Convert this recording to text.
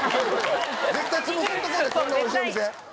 絶対つぶさんとこうねこんなおいしいお店。